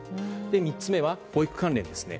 ３つ目は、保育関連です。